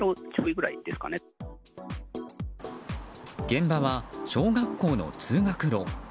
現場は小学校の通学路。